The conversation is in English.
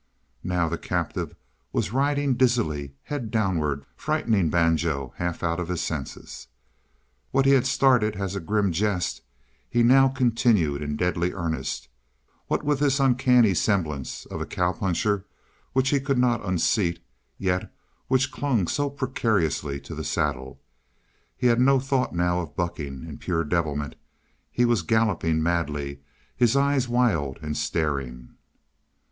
Now the captive was riding dizzily, head downward, frightening Banjo half out of his senses. What he had started as a grim jest, he now continued in deadly earnest; what was this uncanny semblance of a cow puncher which he could not unseat, yet which clung so precariously to the saddle? He had no thought now of bucking in pure devilment he was galloping madly, his eyes wild and staring.